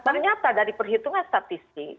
ternyata dari perhitungan statistik